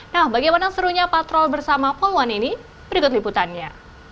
nah bagaimana serunya patrol bersama poluan ini berikut liputannya